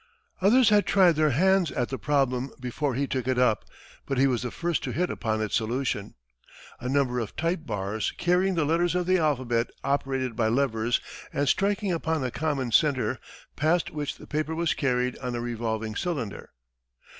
Others had tried their hands at the problem before he took it up, but he was the first to hit upon its solution a number of type bars carrying the letters of the alphabet operated by levers and striking upon a common centre, past which the paper was carried on a revolving cylinder.